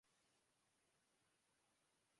La autopista Eyre bordea el sur de la cordillera.